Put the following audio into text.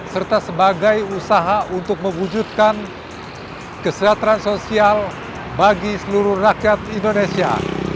serta sebagai usaha untuk mewujudkan kesejahteraan sosial bagi seluruh rakyat indonesia